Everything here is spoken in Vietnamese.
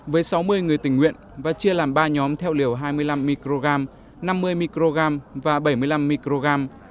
với sáu mươi người tình nguyện và chia làm ba nhóm theo liều hai mươi năm microgram năm mươi microgram và bảy mươi năm microgram